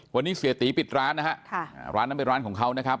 วันนี้เสียตีปิดร้านนะฮะร้านนั้นเป็นร้านของเขานะครับ